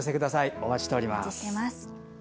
お待ちしております。